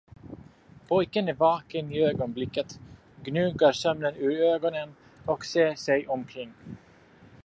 Pojken är vaken i ögonblicket, gnuggar sömnen ur ögonen och ser sig omkring.